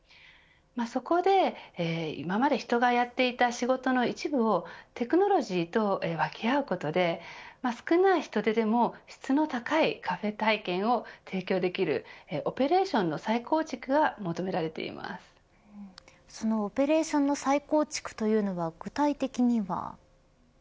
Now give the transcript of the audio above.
そこで、今まで人がやっていた仕事の一部をテクノロジーと分け合うことで少ない人手でも質の高いカフェ体験を提供できるオペレーションの再構築がそのオペレーションの再構築というのは具体的には。